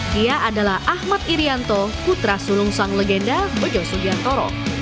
dia adalah ahmad irianto putra sulung sang legenda bejo sugiantoro